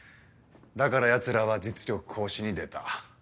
だからヤツらは実力行使に出た。